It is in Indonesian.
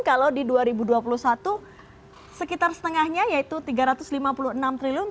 kalau di dua ribu dua puluh satu sekitar setengahnya yaitu rp tiga ratus lima puluh enam triliun